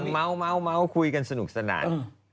เมาส์คุยกันสนุกสนาน